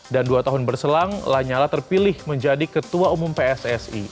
dan dua tahun berselang lanyala terpilih menjadi ketua umum pssi